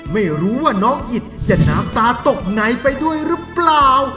ไม่รู้ว่าน้องอิดจะน้ำตาตกไหนไปด้วยหรือเปล่า